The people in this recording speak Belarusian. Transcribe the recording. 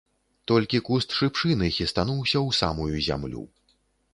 Толькі куст шыпшыны хістануўся ў самую зямлю.